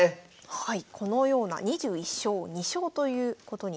はい。